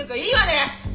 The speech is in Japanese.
いいわね！